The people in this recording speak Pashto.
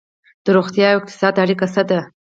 د روغتیا او اقتصاد اړیکه څه ده؟